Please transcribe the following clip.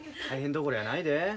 大変どころやないで。